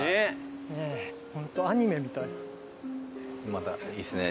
またいいですね。